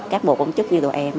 các bộ công chức như tụi em